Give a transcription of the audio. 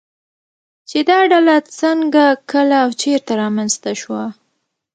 چې دا ډله څنگه، کله او چېرته رامنځته شوه